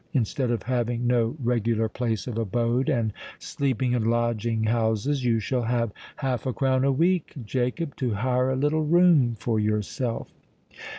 Instead of having no regular place of abode and sleeping in lodging houses, you shall have half a crown a week, Jacob, to hire a little room for yourself."